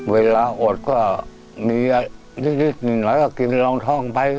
เวลาอดก็มีนิดหน่อยก็กินรองท่องไป